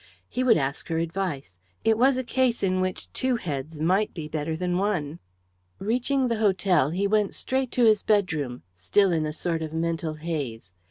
He would ask her advice; it was a case in which two heads might be better than one. Reaching the hotel, he went straight to his bedroom, still in a sort of mental haze.